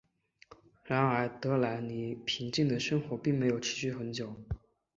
然而德莱尼平静的生活并没有持续很久。